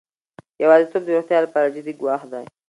یوازیتوب د روغتیا لپاره جدي ګواښ دی.